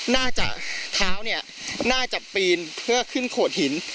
เท้าเนี่ยน่าจะปีนเพื่อขึ้นโขดหิน